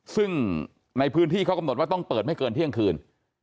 ซึ่งในพื้นที่เขากำหนดว่าต้องเปิดไม่เกินเที่ยงคืน